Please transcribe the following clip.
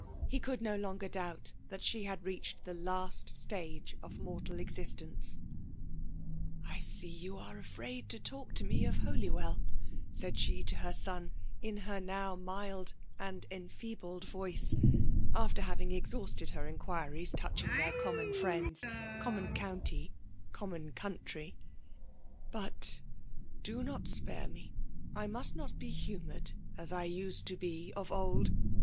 He could no loi^^efi dt>ubt that ahe had reached the last atag« of mortal existence* *' I see you are afraid to talk to me • of Hdljrwell/^ said she to her son, in her now mUd and enfeebled voice^ after having exhausted her inquiries touching their common friends;: common coimty, common country. ^'But do Aot spare me. I must not be humoured as I used to be of old.